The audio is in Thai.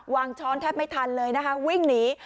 ช้อนแทบไม่ทันเลยนะคะวิ่งหนี